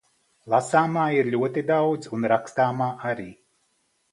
Lasāmā ir ļoti daudz un rakstāmā arī.